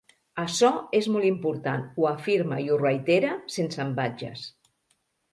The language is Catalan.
Açò és molt important, ho afirme i ho reitere sense ambages.